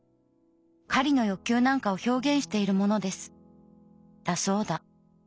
狩りの欲求なんかを表現しているものです』だそうだ。